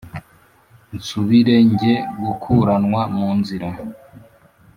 nsubire njye gukuranwa munzira